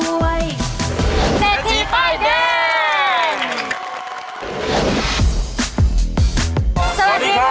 สวัสดีค่ะ